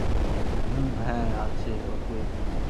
হুম, হ্যাঁ, আছে ওকে।